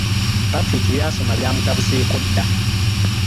Patrick by’asoma byamutabuseeko dda.